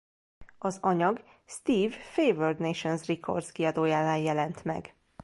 Az anyag Steve Favored Nations Records kiadójánál jelent meg.